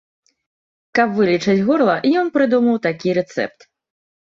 Каб вылечыць горла, ён прыдумаў такі рэцэпт.